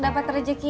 lepas penggila kita